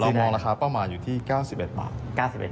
เรามองราคาประมาณอยู่ที่๙๑บาท